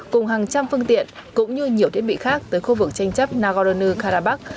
cùng hàng trăm phương tiện cũng như nhiều thiết bị khác tới khu vực tranh chấp nagorno karabakh